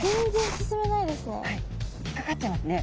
引っかかっちゃいますね。